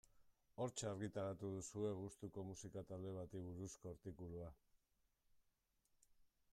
Hortxe argitaratu duzue gustuko musika talde bati buruzko artikulua.